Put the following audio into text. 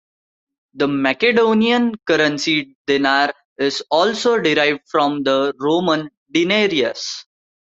The Macedonian currency "denar" is also derived from the Roman denarius.